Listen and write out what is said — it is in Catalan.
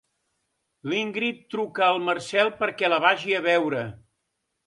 L'Ingrid truca el Marcel perquè la vagi a veure.